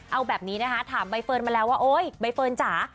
เอาแบบนี้นะคะถามใบเฟิร์นมาแล้วว่าโอ๊ยใบเฟิร์นจ๋า